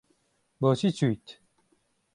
بۆچی چویت؟